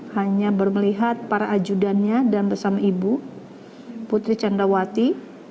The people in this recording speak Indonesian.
hanya baru melihat para ajudannya dan bersama ibu putri candrawati